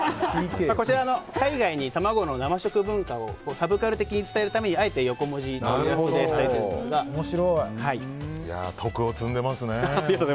こちらの海外に卵の生食文化をサブカル的に伝えるためにあえて横文字とイラストで徳を積んでますね。